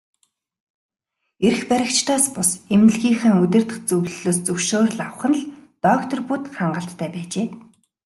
Эрх баригчдаас бус, эмнэлгийнхээ удирдах зөвлөлөөс зөвшөөрөл авах нь л доктор Вүд хангалттай байжээ.